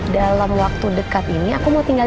dalam waktu dekat ini aku mau tinggal